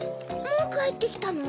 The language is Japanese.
もうかえってきたの？